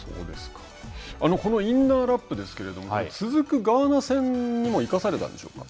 このインナーラップですけれども続くガーナ戦にも生かされたんでしょうか。